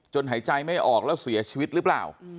หายใจไม่ออกแล้วเสียชีวิตหรือเปล่า